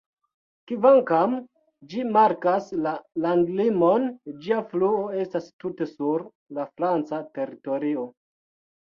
Kvankam ĝi markas la landlimon, ĝia fluo estas tute sur la franca teritorio.